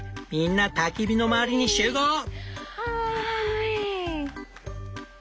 みんなたき火の周りに集合！」。